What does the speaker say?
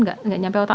nggak nyampe otak